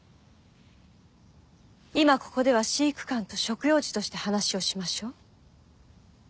今ここでは飼育監と食用児として話をしましょう。